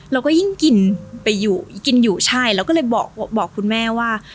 เราก็ยิ่งกินไปอยู่กินอยู่ใช่เราก็เลยบอกคุณแม่ว่า